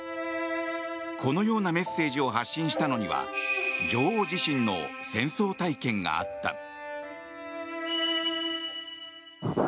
このようなメッセージを発信したのには女王自身の戦争体験があった。